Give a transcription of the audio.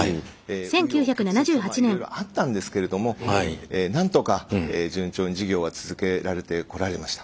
う余曲折まあいろいろあったんですけれどもなんとか順調に事業が続けられてこられました。